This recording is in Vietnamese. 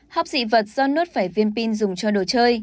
học dị vật do nuốt phải viên pin dùng cho đồ chơi